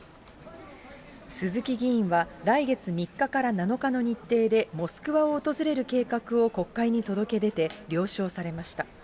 鈴木議員は来月３日から７日の日程で、モスクワを訪れる計画を国会に届け出て了承されました。